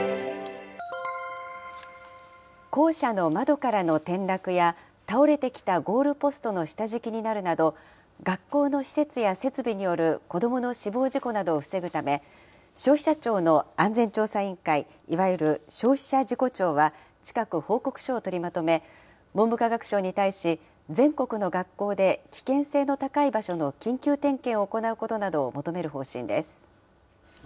校舎の窓からの転落や倒れてきたゴールポストの下敷きになるなど、学校の施設や設備による子どもの死亡事故などを防ぐため、消費者庁の安全調査委員会、いわゆる消費者事故調は近く報告書を取りまとめ、文部科学省に対し、全国の学校で危険性の高い場所の緊急点検を行うことなどを求める方針です。